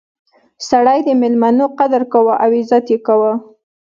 سړی د میلمنو قدر کاوه او عزت یې کاوه.